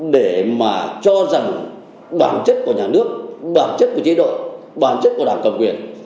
để mà cho rằng bản chất của nhà nước bản chất của chế độ bản chất của đảng cầm quyền